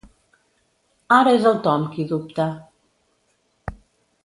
Ara és el Tom qui dubta.